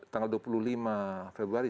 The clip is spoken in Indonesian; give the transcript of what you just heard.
tanggal dua puluh lima februari